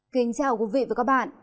kính chào quý vị và các bạn